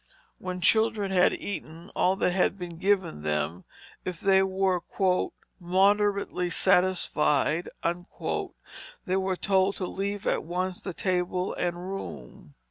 When children had eaten all that had been given them, if they were "moderately satisfied," they were told to leave at once the table and room.